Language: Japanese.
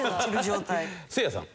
せいやさん。